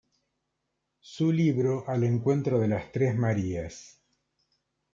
Su libro Al encuentro de las tres Marías.